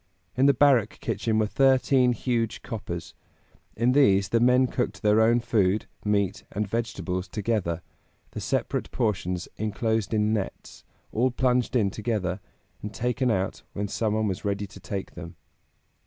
In the barrack kitchen were thirteen huge coppers; in these the men cooked their own food, meat and vegetables together, the separate portions inclosed in nets, all plunged in together, and taken out when some one was ready to take them.